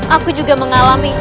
aku juga mengalami